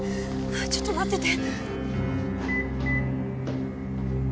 ちょっと待ってて！